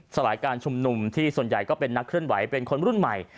สลายการชุมนุมที่ส่วนใหญ่ก็เป็นนักเคลื่อนไหวเป็นคนรุ่นใหม่